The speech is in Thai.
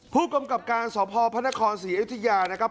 ผู้กรรมกรรมการสอบภพพนครศรีอิทยานะครับ